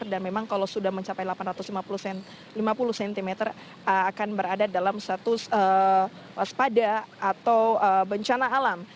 dan memang kalau sudah mencapai delapan ratus lima puluh cm akan berada dalam status waspada atau bencana alam